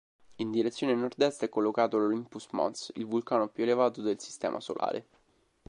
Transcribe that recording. In direzione nordest è collocato l'Olympus Mons, il vulcano più elevato del sistema solare.